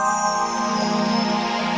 mari nanda prabu